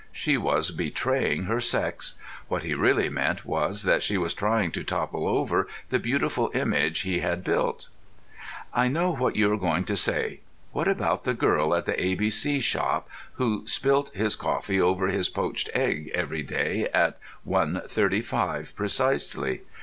She was betraying her sex. What he really meant was that she was trying to topple over the beautiful image he had built. I know what you are going to say. What about the girl at the A B C shop who spilt his coffee over his poached egg every day at one thirty five precisely?